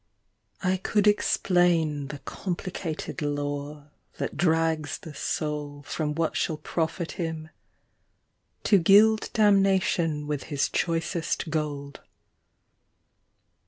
I COULD explain The complicated lore that drags the soul From what shall profit him To gild damnation with his choicest gold.